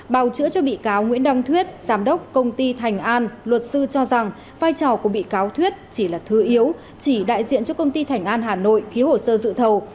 bào chữa cho bị cáo nguyễn đăng thuyết giám đốc công ty thành an luật sư cho rằng vai trò của bị cáo thuyết chỉ là thư yếu chỉ đại diện cho công ty thành an hà nội ký hồ sơ dự thầu